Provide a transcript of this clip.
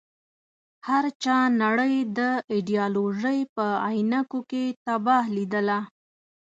هر چا نړۍ د ایډیالوژۍ په عينکو کې تباه ليدله.